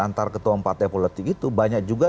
antar ketua partai politik itu banyak juga